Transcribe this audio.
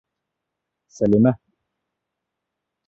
Сәлимә!..